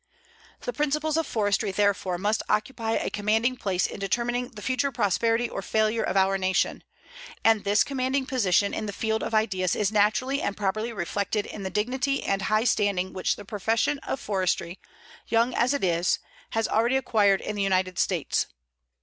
The principles of forestry, therefore, must occupy a commanding place in determining the future prosperity or failure of our nation, and this commanding position in the field of ideas is naturally and properly reflected in the dignity and high standing which the profession of forestry, young as it is, has already acquired in the United States.